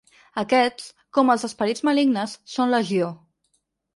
Aquests, com els esperits malignes, són legió.